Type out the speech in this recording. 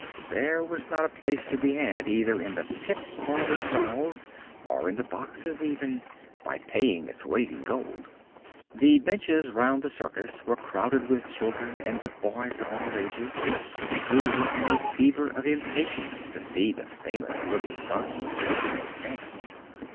There was not a place to be had either in the pit or the stalls, or in the boxes even, by paying its weight in gold. The benches round the circus were crowded with children and with boys of all ages, who were in a fever of impatience to see the famous little donkey Pinocchio dance.